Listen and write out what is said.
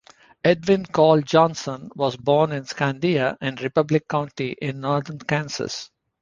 Edwin Carl Johnson was born in Scandia in Republic County in northern Kansas.